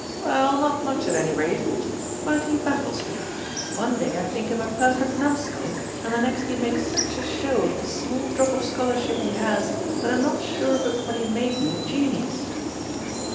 "Well, not much at any rate. But he baffles me; one day I think him a perfect numskull, and the next he makes such a show of the small drop of scholarship he has that I'm not sure but what he may be a genius."